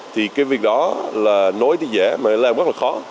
thì cái việc đó là nối đi dễ mà rất là khó